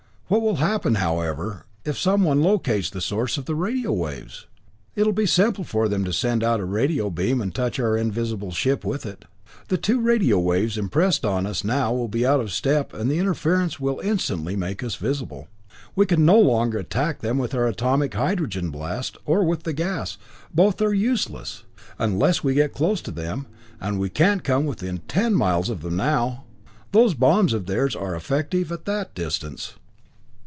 What will happen, however, if someone locates the source of the radio waves? It'll be simple for them to send out a radio beam and touch our invisible ship with it. The two radio waves impressed on us now will be out of step and the interference will instantly make us visible. We can no longer attack them with our atomic hydrogen blast, or with the gas both are useless unless we can get close to them, and we can't come within ten miles of them now. Those bombs of theirs are effective at that distance."